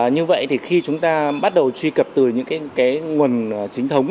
như vậy thì khi chúng ta bắt đầu truy cập từ những cái nguồn chính thống